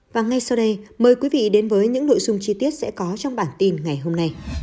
và ngay sau đây mời quý vị đến với những nội dung chi tiết sẽ có trong bản tin ngày hôm nay